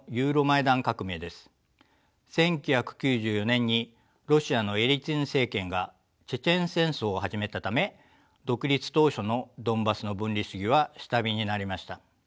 １９９４年にロシアのエリツィン政権がチェチェン戦争を始めたため独立当初のドンバスの分離主義は下火になりました。